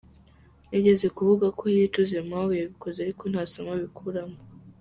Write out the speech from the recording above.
Nigeze kuvuga ko yicuza impamvu yabikoze ariko nta somo abikuramo.